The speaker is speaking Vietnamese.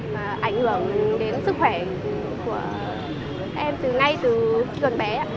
và ảnh hưởng đến sức khỏe của các em ngay từ khi gần bé ạ